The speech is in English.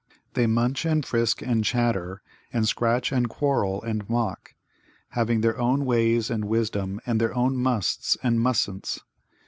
They munch and frisk and chatter, and scratch and quarrel and mock, having their own ways and wisdom and their own musts and mustn'ts.